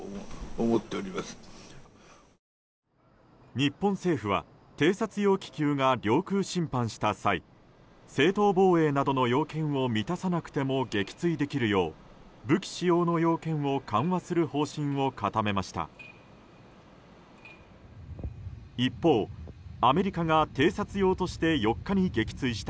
日本政府は偵察用気球が領空侵犯した際正当防衛などの要件を満たさなくても撃墜できるよう武器使用の要件を緩和する方針を固めました。